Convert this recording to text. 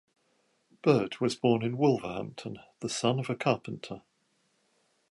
Bird was born in Wolverhampton, the son of a carpenter.